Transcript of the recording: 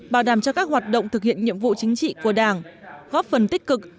bảo đảm cho các hoạt động thực hiện nhiệm vụ chính trị của đảng góp phần tích cực